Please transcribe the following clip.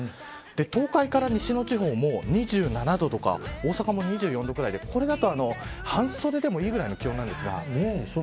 東海から西の地方も２７度とか大阪も２４度くらいでこれだと半袖でもいいぐらいの気温なんですが。